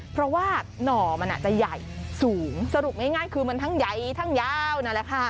เพราะว่าหน่อมันจะใหญ่สูงสรุปง่ายคือมันทั้งใหญ่ทั้งยาวนั่นแหละค่ะ